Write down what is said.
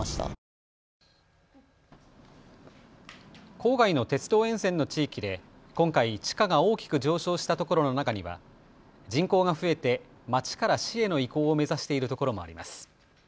郊外の鉄道沿線の地域で今回、地価が大きく上昇したところの中には人口が増えて町から市への移行を目指している所もあります。